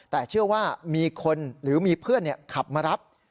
แต่เชื่อว่ามีคนหรือมีเพื่อนขับมารับ